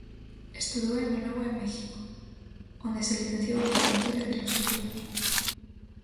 Estudou en Managua e México, onde se licenciou en literatura e filosofía.